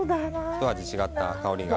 ひと味違った香りが。